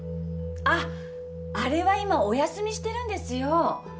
あッあれは今お休みしてるんですよ